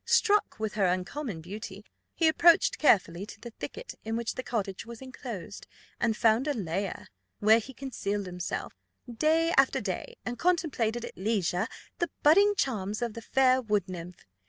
Struck with her uncommon beauty, he approached carefully to the thicket in which the cottage was enclosed, and found a lair, where he concealed himself, day after day, and contemplated at leisure the budding charms of the fair wood nymph.